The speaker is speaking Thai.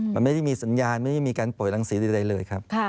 มันไม่ได้มีสัญญาณไม่ได้มีการป่วยรังสีใดเลยครับ